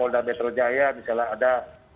di jaya misalnya ada